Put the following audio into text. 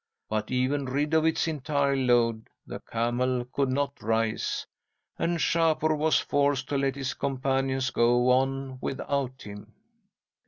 But even rid of its entire load, the camel could not rise, and Shapur was forced to let his companions go on without him.